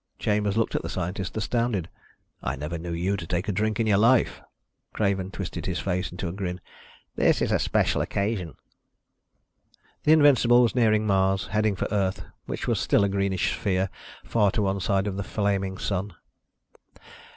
Chambers looked at the scientist, astounded. "I never knew you to take a drink in your life." Craven twisted his face into a grin. "This is a special occasion." The Invincible was nearing Mars, heading for Earth, which was still a greenish sphere far to one side of the flaming Sun.